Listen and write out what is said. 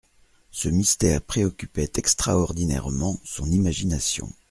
Ce mystère préoccupait extraordinairement son imagination.